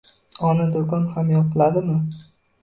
— Ona, do'kon ham yopiladimi?